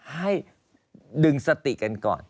ให้ดึงสติกันก่อน